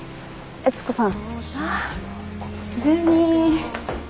悦子さん。